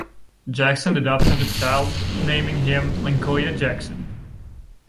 Jackson adopted the child, naming him Lyncoya Jackson.